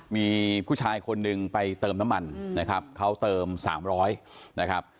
มีผู้ชายคนหนึ่งไปเติมน้ำมันนะครับเขาเติม๓๐๐นะครับ